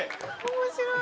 面白い。